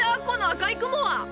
この赤い雲は。